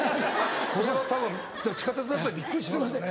これはたぶん地下鉄やっぱりびっくりしますよね。